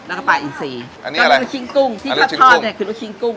แล้วก็ปลาอีกสี่อันนี้อะไรลูกชิ้นกุ้งที่ชัดทอดเนี่ยคือลูกชิ้นกุ้ง